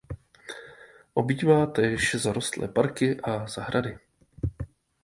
Obývá též zarostlé parky a zahrady.